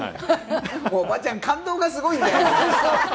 おばちゃん、感動がすごいんだよ。